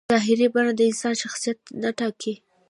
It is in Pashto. ظاهري بڼه د انسان شخصیت نه ټاکي.